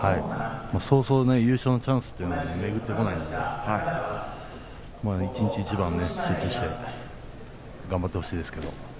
そうそう優勝のチャンスというのは巡ってこないので一日一番集中して頑張ってほしいですね。